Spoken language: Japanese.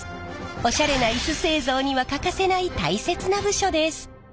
オシャレなイス製造には欠かせない大切な部署です。